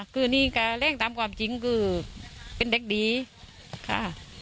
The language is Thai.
คือนี่ก็แรงตามความจริงคือเป็นเด็กดีค่ะ